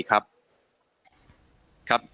ครับ